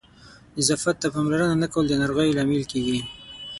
نظافت ته پاملرنه نه کول د ناروغیو لامل کېږي.